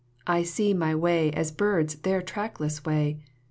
I see my way as birds their trackless way.